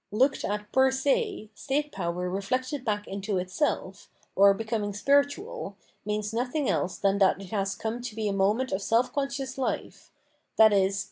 Looked at per se, state power reflected back into itself, or becoming spiritual, means nothing else than that it has come to be a moment of self conscious life, i.e.